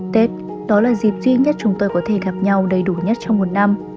tết đó là dịp duy nhất chúng tôi có thể gặp nhau đầy đủ nhất trong một năm